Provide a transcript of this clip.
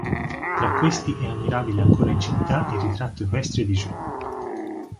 Tra questi è ammirabile ancora in città il ritratto equestre di Gio.